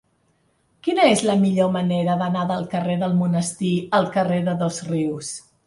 Quina és la millor manera d'anar del carrer del Monestir al carrer de Dosrius?